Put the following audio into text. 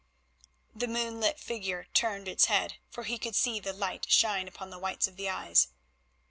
The moonlit figure turned its head, for he could see the light shine upon the whites of the eyes.